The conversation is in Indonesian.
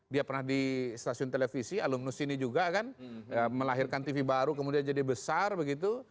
dia pernah di stasiun televisi alumnus ini juga kan melahirkan tv baru kemudian jadi besar begitu